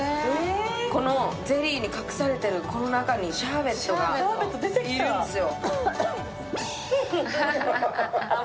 このゼリーに隠されてる、この中にシャーベットがいるんすよ。